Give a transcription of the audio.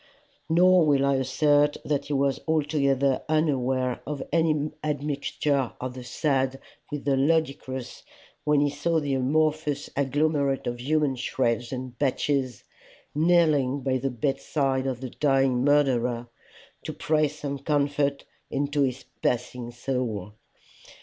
Nor will I assert that he was altogether unaware of any admixture of the sad with the ludicrous when he saw the amorphous agglomerate of human shreds and patches kneeling by the bedside of the dying murderer, to pray some comfort into his passing soul.